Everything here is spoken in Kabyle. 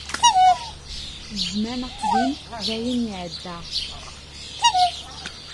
Zzman aqdim dayen iɛedda.